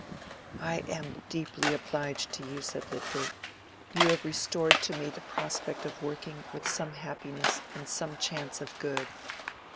"I am deeply obliged to you," said Lydgate. "You have restored to me the prospect of working with some happiness and some chance of good."